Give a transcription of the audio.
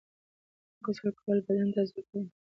غسل کول بدن تازه کوي